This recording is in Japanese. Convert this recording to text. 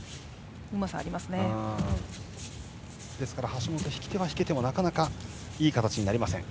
橋本、引き手は引けてもなかなかいい形になりません。